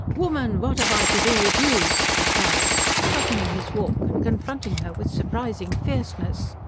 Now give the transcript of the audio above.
"Woman, what have I to do with you?" he cried, stopping in his walk and confronting her with surprising fierceness.